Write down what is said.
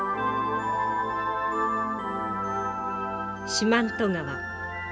四万十川。